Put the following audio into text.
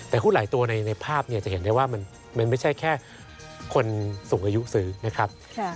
แต่หุ้นหลายตัวในภาพจะเห็นได้ว่ามันไม่ใช่แค่คนสูงอายุซื้อนะครับ